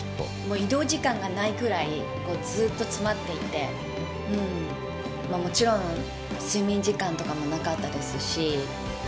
移動時間がないくらい、ずっと詰まっていて、もちろん睡眠時間とかもなかったですし。